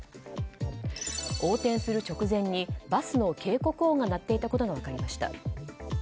横転する直前にバスの警告音が鳴っていたことが分かりました。